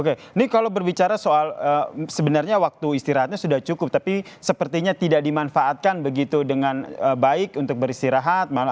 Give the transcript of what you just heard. oke ini kalau berbicara soal sebenarnya waktu istirahatnya sudah cukup tapi sepertinya tidak dimanfaatkan begitu dengan baik untuk beristirahat